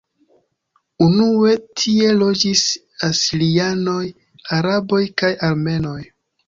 Unue tie loĝis asirianoj, araboj kaj armenoj.